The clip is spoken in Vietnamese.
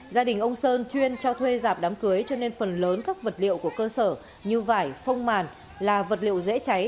dân chuyên cho thuê giảm đám cưới cho nên phần lớn các vật liệu của cơ sở như vải phông màn là vật liệu dễ cháy